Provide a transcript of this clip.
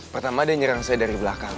pertama dia nyerang saya dari belakang